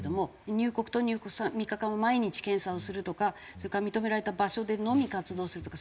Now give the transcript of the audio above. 入国と入国後３日間は毎日検査をするとかそれから認められた場所でのみ活動するとか。